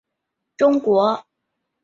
中国乡镇的农机站是类似的机构。